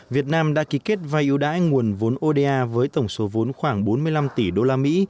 việt nam đã ký kết vai ưu đãi nguồn vốn oda với tổng số vốn khoảng bốn mươi năm tỷ usd